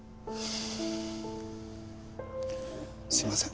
すいません。